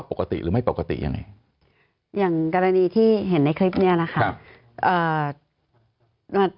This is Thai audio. ปกติหรือไม่ปกติยังไงอย่างกรณีที่เห็นในคลิปเนี่ยนะคะ